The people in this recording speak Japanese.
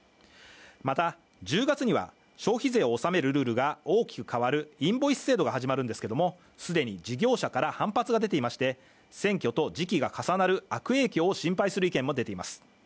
また１０月には、消費税を納めるルールが大きく変わるインボイス制度が始まるんですけども既に事業者から反発が出ていまして、選挙と時期が重なる悪影響を心配する声もあります。